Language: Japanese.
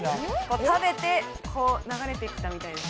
食べて流れてきたみたいな感じ。